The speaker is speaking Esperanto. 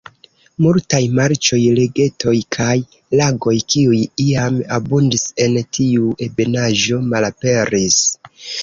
Multaj marĉoj, lagetoj kaj lagoj, kiuj iam abundis en tiu ebenaĵo, malaperis.